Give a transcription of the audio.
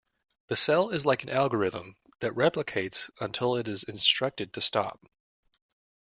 The cell is like an algorithm that replicates until it is instructed to stop.